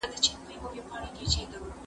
تر مابین مو دي په وېش کي عدالت وي